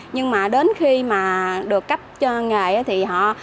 nhưng mà đến khi mà được cấp cho nghề thì họ